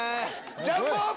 ジャンボ！